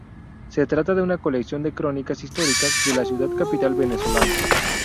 Se trata de una colección de crónicas históricas de la ciudad capital venezolana.